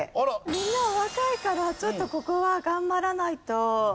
みんなお若いからちょっとここは頑張らないと。